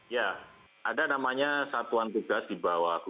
ya ada namanya satuan tugas di bawah